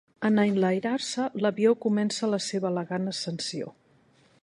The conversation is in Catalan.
En enlairar-se, l'avió comença la seva elegant ascensió.